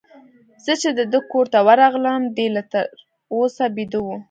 زه چي د ده کور ته ورغلم، دی لا تر اوسه بیده وو.